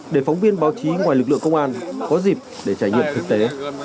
để phóng viên báo chí ngoài lực lượng công an có dịp để trải nghiệm thực tế